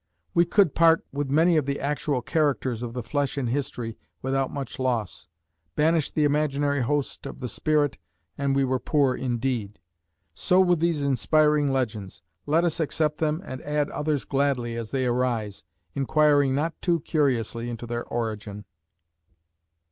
We could part with many of the actual characters of the flesh in history without much loss; banish the imaginary host of the spirit and we were poor indeed. So with these inspiring legends; let us accept them and add others gladly as they arise, inquiring not too curiously into their origin.